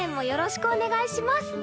よろしくお願いします。